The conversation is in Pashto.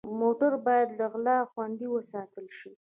موټر باید له غلا خوندي وساتل شي.